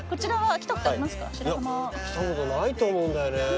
来たことないと思うんだよね。